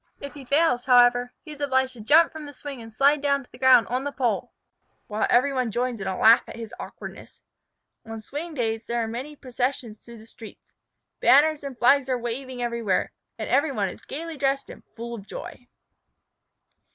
If he fails, however, he is obliged to jump from the swing and slide down to the ground on the pole, while every one joins in a laugh at his awkwardness. On Swing Days there are many processions through the streets. Banners and flags are waving everywhere, no work is done, and every one is gaily dressed and full of joy.